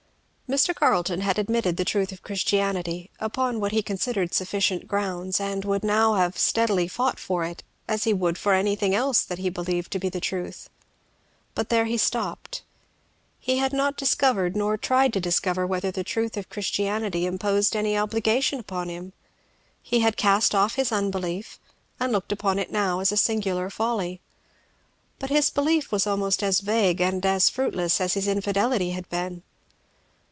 Mr. Carleton had admitted the truth of Christianity, upon what he considered sufficient grounds, and would now have steadily fought for it, as he would for anything else that he believed to be truth. But there he stopped. He had not discovered nor tried to discover whether the truth of Christianity imposed any obligation upon him. He had cast off his unbelief, and looked upon it now as a singular folly. But his belief was almost as vague and as fruitless as his infidelity had been.